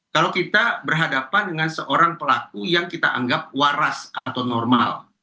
kalau kita berhadapan dengan seorang pelaku yang kita anggap waras atau normal